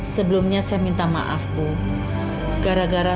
sebelumnya saya minta maaf bu gara gara